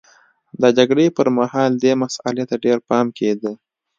د جګړې پرمهال دې مسئلې ته ډېر پام کېده